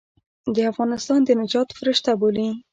د افغانستان د نجات فرشته بولي.